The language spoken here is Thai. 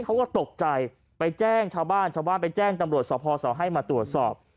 เขาก็ตกใจไปแจ้งชาวบ้านชาวบ้านไปแจ้งจำรวจสภเสาให้มาตรวจสอบ